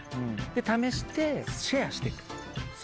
試してシェアしていく。